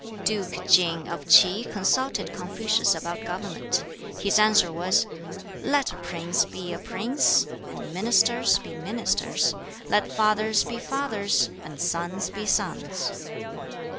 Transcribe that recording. Duke King of Ts'i consulted Confucius about government. His answer was, "Let a prince be a prince, and ministers be ministers; let fathers be fathers, and sons be sons."